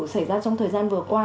xảy ra trong thời gian vừa qua